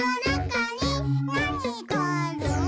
「なにがある？」